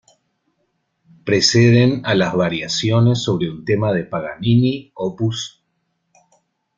Preceden a las "Variaciones sobre un tema de Paganini", op.